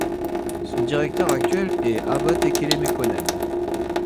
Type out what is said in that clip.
Son directeur actuel est Abba Tekele Mekonen.